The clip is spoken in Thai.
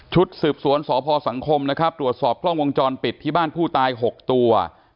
สืบสวนสพสังคมนะครับตรวจสอบกล้องวงจรปิดที่บ้านผู้ตาย๖ตัว